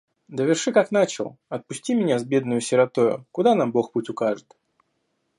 Доверши как начал: отпусти меня с бедною сиротою, куда нам бог путь укажет.